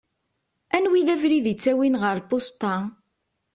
Anwa i d abrid ittawin ɣer lpusṭa?